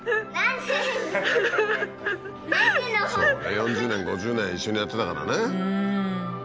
４０年５０年一緒にやってたからね。